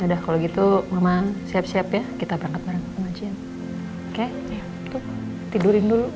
ya udah kalau gitu memang siap siap ya kita berangkat bareng oke tidurin dulu